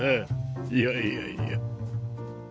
いやいやいや